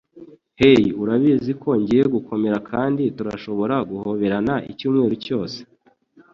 Hey urabizi ko ngiye gukomera kandi turashobora guhoberana icyumweru cyose